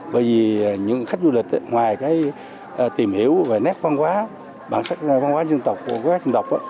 bởi vì những khách du lịch ngoài tìm hiểu về nét văn hóa bản sắc văn hóa dân tộc của các dân tộc